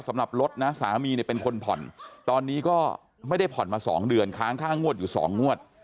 สำหรับรถนะสามีเนี่ยเป็นคนผ่อนตอนนี้ก็ไม่ได้ผ่อนมา๒เดือนค้างค่างวดอยู่๒งวด